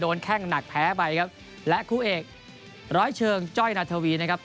แข้งหนักแพ้ไปครับและคู่เอกร้อยเชิงจ้อยนาธวีนะครับ